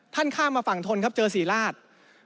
ข้ามมาฝั่งทนครับเจอศรีราช